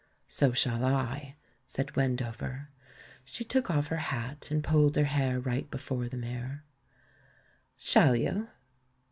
"So shall I," said Wendover. She took off her hat, and pulled her hair right before the mirror. "Shall you?"